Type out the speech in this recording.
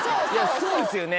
そうですよね。